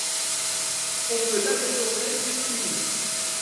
On me l'amènerait ici.